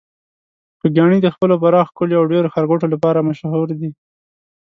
خوږیاڼي د خپلو پراخو کليو او ډیرو ښارګوټو لپاره مشهور ده.